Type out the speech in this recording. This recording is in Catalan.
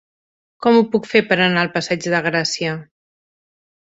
Com ho puc fer per anar al passeig de Gràcia?